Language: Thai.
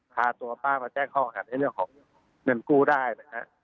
พาตัวป้ามาแจ้งข้อหาในเรื่องของเงินกู้ได้นะฮะ